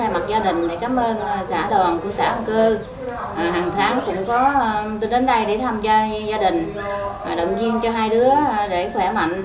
mỗi tháng cũng có tôi đến đây để thăm gia đình động viên cho hai đứa để khỏe mạnh